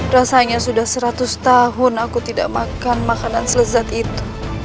rasanya sudah seratus tahun aku tidak makan makanan selezat itu